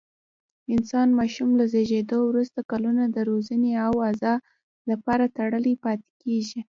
انسان ماشوم له زېږېدو وروسته کلونه د روزنې او غذا لپاره تړلی پاتې کېږي.